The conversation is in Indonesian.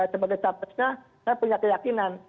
sebagai capresnya saya punya keyakinan